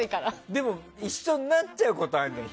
でも一緒になっちゃうことあるじゃん。